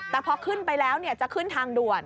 แต่พอขึ้นไปแล้วจะขึ้นทางด่วน